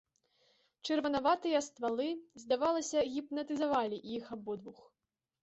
Чырванаватыя ствалы, здавалася, гіпнатызавалі іх абодвух.